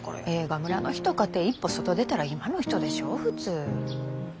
映画村の人かて一歩外出たら今の人でしょう普通。